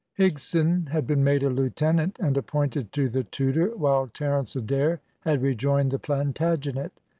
Higson had been made a lieutenant, and appointed to the Tudor, while Terence Adair had rejoined the Plantagenet.